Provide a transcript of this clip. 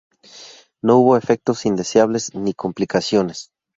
No hubo efectos indeseables ni complicaciones.